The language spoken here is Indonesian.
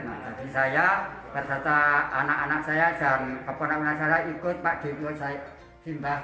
jadi saya bersama anak anak saya dan keponang ponang saya ikut pak dewi buasai simbah